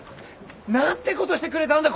何てことしてくれたんだ！